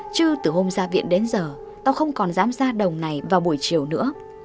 chứ từ hôm ra viện đến giờ ta không còn dám ra đồng này vào buổi chiều nữa